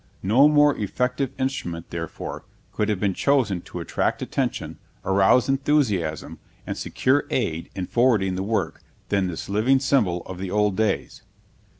No more effective instrument, therefore, could have been chosen to attract attention, arouse enthusiasm, and secure aid in forwarding the work, than this living symbol of the old days.